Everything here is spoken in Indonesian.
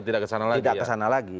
tidak kesana lagi